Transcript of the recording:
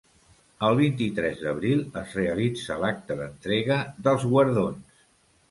El vint-i-tres d'abril es realitza l'acte d'entrega dels guardons.